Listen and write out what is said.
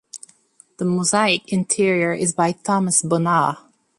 The mosaic interior is by Thomas Bonnar.